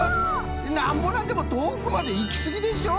なんぼなんでもとおくまでいきすぎでしょうこれ！